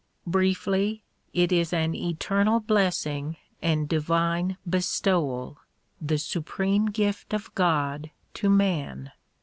Briefly ; it is an eternal blessing and divine bestowal, the supreme gift of God to man.